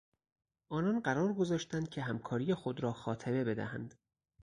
آنان قرار گذاشتند که همکاری خود را خاتمه بدهند.